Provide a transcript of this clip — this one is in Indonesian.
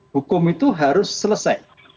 hukum itu harus selesai